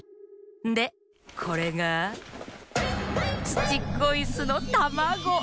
でこれがツチッコイスのたまご。